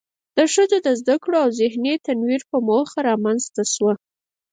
د ښځو د زده کړو او ذهني تنوير په موخه رامنځ ته شوه.